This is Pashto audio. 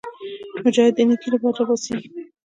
مجاهد د نیکۍ لپاره راپاڅېږي.